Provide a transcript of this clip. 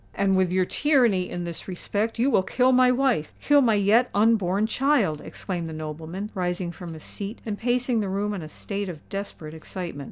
"And with your tyranny in this respect you will kill my wife—kill my yet unborn child!" exclaimed the nobleman, rising from his seat and pacing the room in a state of desperate excitement.